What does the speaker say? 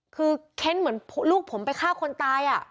คือเค้นเหมือนลูกผมไปฆ่าคนตาย